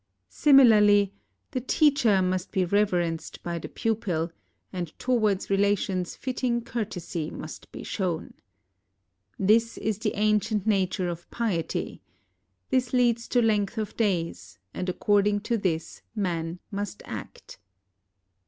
Similarly, the teacher must be reverenced by the pupil, and towards relations fitting courtesy must be shown. This is the ancient nature (of piety) — this leads to length of days, and according to this men must act.